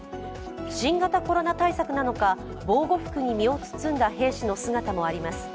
新型コロナ対策なのか防護服に身を包んだ兵士の姿もあります。